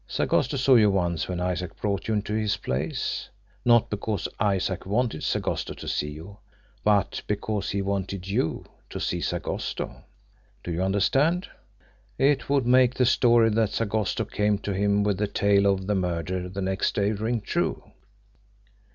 Sagosto saw you once when Isaac brought you into his place not because Isaac wanted Sagosto to see you, but because he wanted YOU to see Sagosto. Do you understand? It would make the story that Sagosto came to him with the tale of the murder the next day ring true.